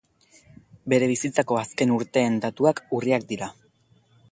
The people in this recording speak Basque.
Bere bizitzako azken urteen datuak urriak dira.